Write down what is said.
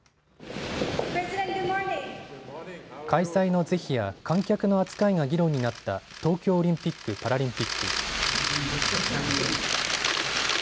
開催の是非や観客の扱いが議論になった東京オリンピック・パラリンピック。